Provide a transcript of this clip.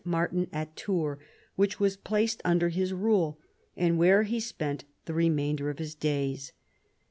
Martin at Tours, which was placed under his rule, and where he spent the remainder of his days.